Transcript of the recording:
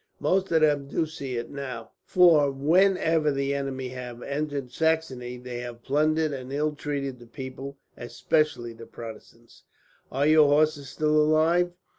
Most of them do see it, now; for whenever the enemy have entered Saxony, they have plundered and ill treated the people, especially the Protestants. "Are your horses still alive?"